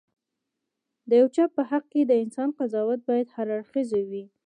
د یو چا په حق د انسان قضاوت باید هراړخيزه وي.